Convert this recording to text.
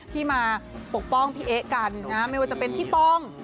ที่มาปกป้องพี่เอ๊ะกันนะไม่ว่าจะเป็นพี่ป้อง